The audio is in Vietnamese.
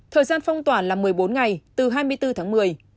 thời gian phong tỏa là một mươi bốn ngày từ hai mươi bốn tháng một mươi